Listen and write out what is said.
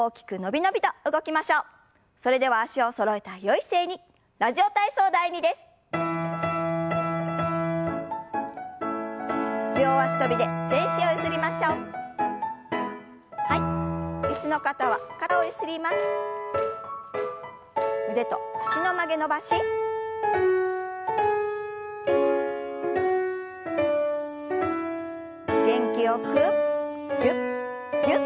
元気よくぎゅっぎゅっと。